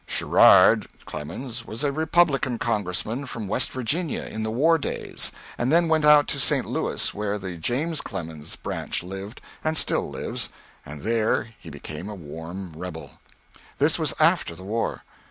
Sherrard Clemens was a Republican Congressman from West Virginia in the war days, and then went out to St. Louis, where the James Clemens branch lived, and still lives, and there he became a warm rebel. This was after the war.